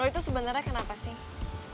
itu sebenarnya kenapa sih